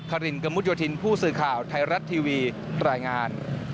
รินกระมุดโยธินผู้สื่อข่าวไทยรัฐทีวีรายงาน